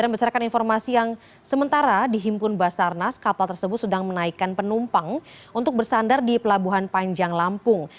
dan bercerakan informasi yang sementara di himpun basarnas kapal tersebut sedang menaikkan penumpang untuk bersandar di pelabuhan panjang lampung